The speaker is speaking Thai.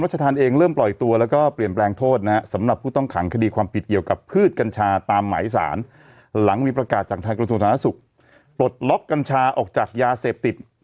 ชธานเองเริ่มปล่อยตัวแล้วก็เปลี่ยนแปลงโทษนะฮะสำหรับผู้ต้องขังคดีความผิดเกี่ยวกับพืชกัญชาตามหมายสารหลังมีประกาศจากทางกระทรวงสาธารณสุขปลดล็อกกัญชาออกจากยาเสพติด